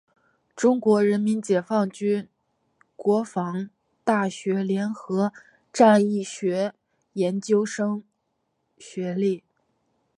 中国人民解放军国防大学联合战役学研究生学历。